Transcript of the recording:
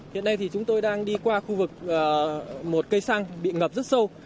hiện nay thì chúng tôi đang đi qua khu vực một cây xăng bị ngập rất sâu